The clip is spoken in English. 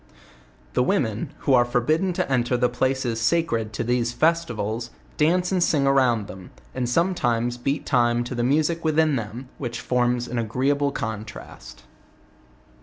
The women, who are forbidden to enter the places eacred to these festivals, dance and sing around them, and some times beat time to the music within them; which forms an agreeable contrast.